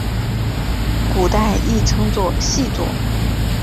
古代亦称作细作。